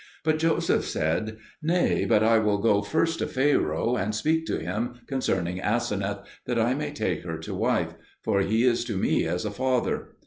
But Joseph said, "Nay, but I will first go to Pharaoh and speak to him concerning Aseneth, that I may take her to wife; for he is to me as a father."